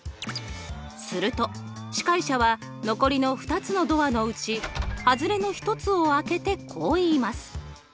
すると司会者は残りの２つのドアのうち外れの１つを開けてこう言います。